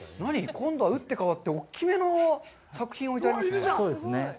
今度は打って変って大きめの作品が置いてありますね。